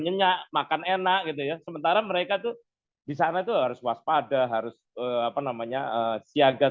nyenyak makan enak gitu ya sementara mereka tuh di sana itu harus waspada harus apa namanya siaga